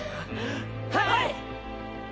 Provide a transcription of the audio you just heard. はい！